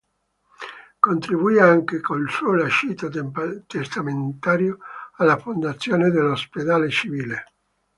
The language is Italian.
Contribuì anche, col suo lascito testamentario, alla fondazione dell'Ospedale Civile.